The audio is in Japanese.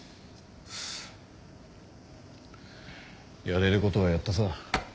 やれることはやったさ。